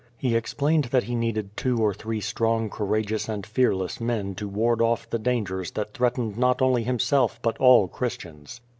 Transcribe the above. He ex plained that he needed two or three strong, courageous and fearless men to ward off the dangers that threatened not only himself but all Christians.